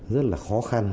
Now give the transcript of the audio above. rất là khó khăn